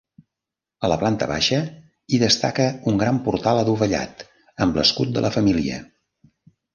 A la planta baixa hi destaca un gran portal adovellat amb l'escut de la família.